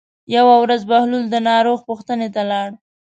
یوه ورځ بهلول د ناروغ پوښتنې ته لاړ.